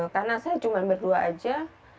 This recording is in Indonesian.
karena saya cuma berdua aja